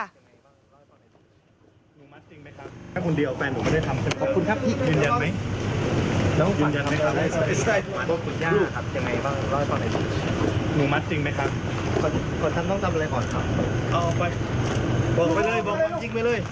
อ้าวไปบอกว่าไปเลยบอกก็ยิงไปเลย